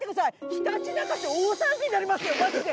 ひたちなか市大騒ぎになりますよマジで！